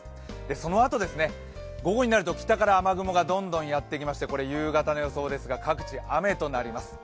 そのあと午後になると北から雨雲がどんどんやってきまして夕方の予想ですが各地、雨となります。